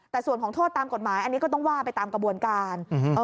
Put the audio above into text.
แต่ส่วนของโทษตามกฎหมายอันนี้ก็ต้องว่าไปตามกระบวนการ